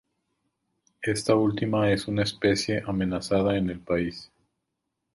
Esta última es una especie amenazada en el país.